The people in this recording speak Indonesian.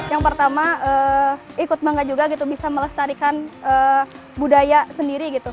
yang pertama ikut bangga juga gitu bisa melestarikan budaya sendiri gitu